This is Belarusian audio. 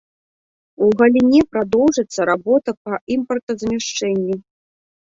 У галіне прадоўжыцца работа па імпартазамяшчэнню.